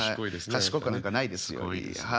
賢くなんかないですよ。